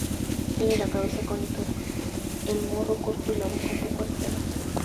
Tiene la cabeza cónica, el morro corto y la boca un poco arqueada.